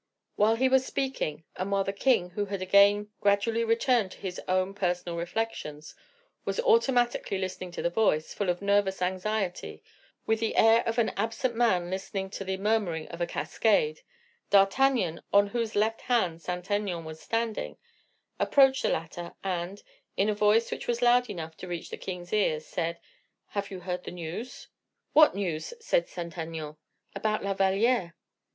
While he was speaking, and while the king, who had again gradually returned to his own personal reflections, was automatically listening to the voice, full of nervous anxiety, with the air of an absent man listening to the murmuring of a cascade, D'Artagnan, on whose left hand Saint Aignan was standing, approached the latter, and, in a voice which was loud enough to reach the king's ears, said: "Have you heard the news?" "What news?" said Saint Aignan. "About La Valliere."